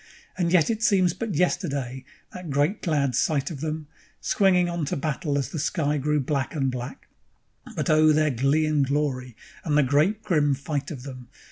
And yet it seems but yesterday, that great, glad sight of them, Swinging on to battle as the sky grew black and black; But oh their glee and glory, and the great, grim fight of them!